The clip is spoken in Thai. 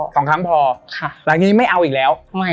หลังจากนี้ไม่เอาอีกแล้ว